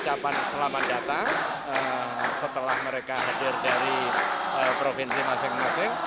ucapan selamat datang setelah mereka hadir dari provinsi masing masing